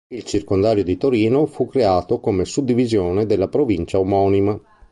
Il circondario di Torino fu creato come suddivisione della provincia omonima.